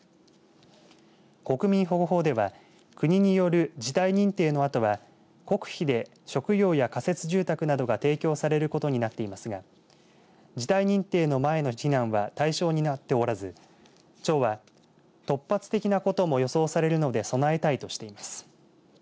国民保護法では国による事態認定のあとは国費で食料や仮設住宅などが提供されることになっていますが事態認定の前の避難は対象になっておらず町は突発的なことも予想されるので備えたいとしています。